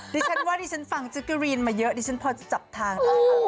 ดิฉันว่าดิฉันฟังจักรีนมาเยอะดิฉันพอจะจับทางได้